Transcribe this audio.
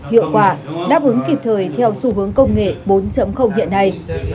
hiệu quả đáp ứng kịp thời theo xu hướng công nghệ bốn hiện nay